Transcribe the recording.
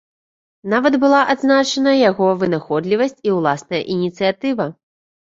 Нават была адзначана яго вынаходлівасць і ўласная ініцыятыва.